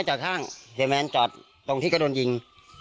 จอดเสียแมนจอดตรงที่กระโดนยิง